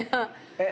「えっ？